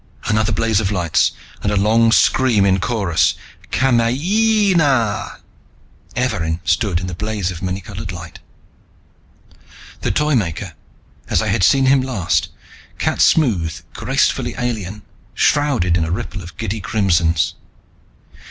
Another blaze of lights and another long scream in chorus: "Kamayeeeeeeeeeeeeeeeeeeena!" Evarin stood in the blaze of the many colored light. The Toymaker, as I had seen him last, cat smooth, gracefully alien, shrouded in a ripple of giddy crimsons.